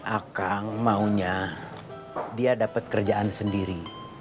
akang maunya dia dapat kerjaan sendiri